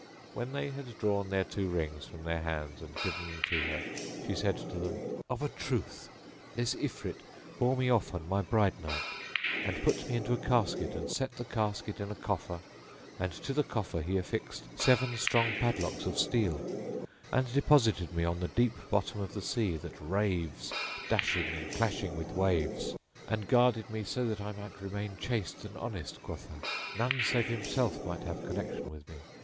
When they had drawn their two rings from their hands and given them to her, she said to them, "Of a truth this Ifrit bore me off on my bride night, and put me into a casket and set the casket in a coffer and to the coffer he affixed seven strong padlocks of steel and deposited me on the deep bottom of the sea that raves, dashing and clashing with waves; and guarded me so that I might remain chaste and honest, quotha! that none save himself might have connexion with me.